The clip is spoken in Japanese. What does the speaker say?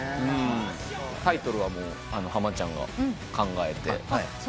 タイトルは濱ちゃんが考えて。